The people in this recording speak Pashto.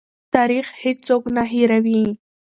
تاریخ هېڅوک نه هېروي.